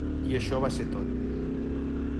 I això va ser tot.